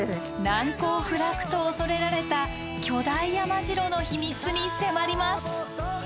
難攻不落と恐れられた巨大山城の秘密に迫ります。